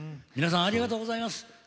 皆さんありがとうざいます！